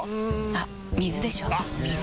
あっ水でしょ！